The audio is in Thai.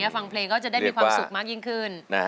ฟังเพลงก็จะได้มีความสุขมากยิ่งขึ้น